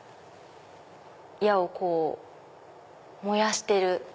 矢を燃やしてる。